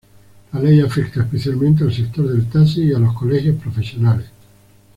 La ley afecta especialmente al sector del taxi y a los colegios profesionales.